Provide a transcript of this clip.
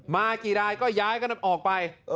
มากี่รายก็ย้ายกันออกไป